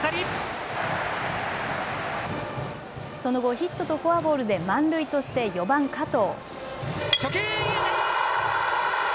その後、ヒットとフォアボールで満塁として４番・加藤。